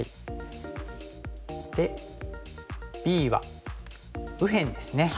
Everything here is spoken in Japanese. そしてＢは右辺ですね。